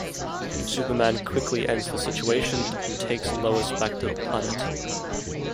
Superman quickly ends the situation, and takes Lois back to the Planet.